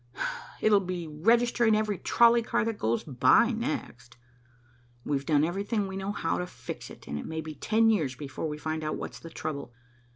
It'll be registering every trolley car that goes by next. We've done every thing we know how to fix it, and it may be ten years before we find out what's the trouble.